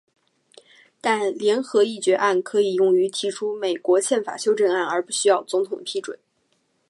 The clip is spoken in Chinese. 但联合决议案可以用来提出美国宪法修正案而不需要总统的批准。